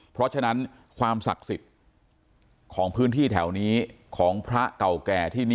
เพราะฉะนั้นความศักดิ์สิทธิ์ของพื้นที่แถวนี้ของพระเก่าแก่ที่นี่